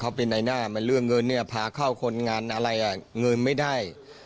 เขาเป็นในหน้ามันเรื่องเงินเนี่ยพาเข้าคนงานอะไรอ่ะเงินไม่ได้